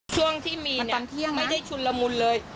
ช่วงที่มีตอนเที่ยงไม่ได้ชุนละมุนเลย